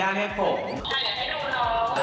ส่วนมากมันก็เป็นร้องรำทำเองอันนี้ทำ